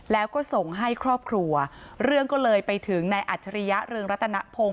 แล้วก็ส่งให้ครอบครัวเรื่องก็เลยไปถึงในอัจฉริยะเรืองรัตนพงศ